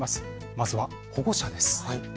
まずは保護者です。